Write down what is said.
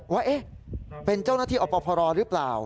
ว่าเป็นเจ้าหน้าที่อพรหรือเปล่า